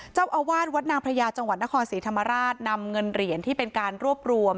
เจ้าอาวาสวัดนางพระยาจังหวัดนครศรีธรรมราชนำเงินเหรียญที่เป็นการรวบรวม